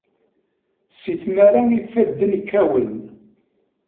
Si tmara ifadden kkawen.